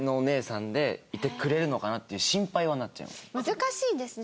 難しいですね。